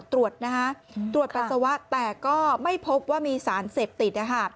ตรวจนะคะตรวจปัสสาวะแต่ก็ไม่พบว่ามีสารเสพติด